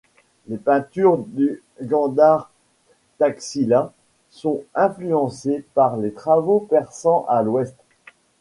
Les peintures du Gandhar-Taxila sont influencées par les travaux persans à l’ouest.